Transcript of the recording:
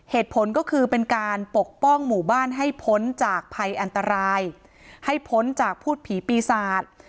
เหตุผลก็คือเป็นการปกป้องหมู่บ้านให้พ้นจากภัยอันตรายให้พ้นจากพูดผีปีศาจ